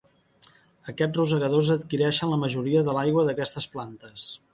Aquests rosegadors adquireixen la majoria de l'aigua d'aquestes plantes.